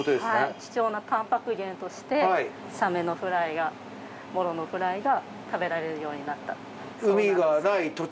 貴重なタンパク源としてサメのフライがモロのフライが食べられるようになったそうなんです。